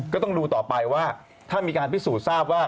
ก็ต้องดูต่อไปว่าถ้ามีการพิสูจน์ทราบว่า